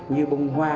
như bông hoa